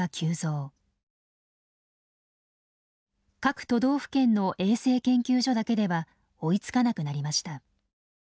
各都道府県の衛生研究所だけでは追いつかなくなりました。